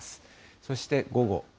そして午後。